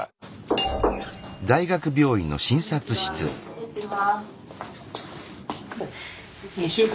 こんにちは。